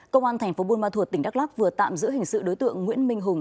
công an tp bun ma thuột tỉnh đắk lắc vừa tạm giữ hình sự đối tượng nguyễn minh hùng